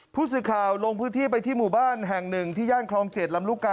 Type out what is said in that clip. ผู้สื่อข่าวลงพื้นที่ไปที่หมู่บ้านแห่งหนึ่งที่ย่านคลอง๗ลำลูกกา